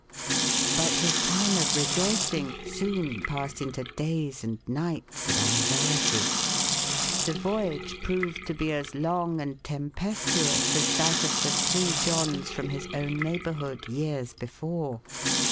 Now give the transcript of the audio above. But his time of rejoicing soon passed into days and nights of anxiet}^ The voyage proA^ed to be as long and tempestuous, as that of the three Johns from his own neighborhood years before.